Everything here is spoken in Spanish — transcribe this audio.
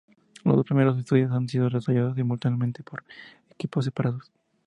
Los dos primeros episodios han sido desarrollados simultáneamente por equipos separados.